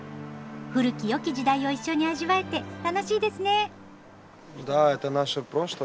古きよき時代を一緒に味わえて楽しいですね。